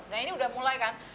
nah ini udah mulai kan